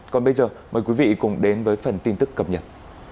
còn bây giờ mời quý vị cùng đến với phần tin tức cập nhật